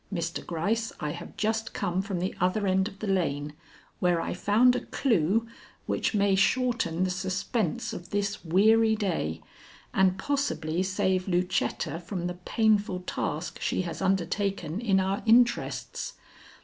Mr. Gryce, I have just come from the other end of the lane, where I found a clue which may shorten the suspense of this weary day, and possibly save Lucetta from the painful task she has undertaken in our interests.